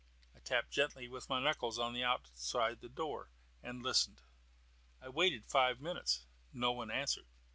I tapped gently with my knuckles on the door, and listened. I waited five minutes, and no one answered.